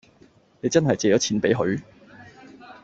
你真係借咗錢畀佢？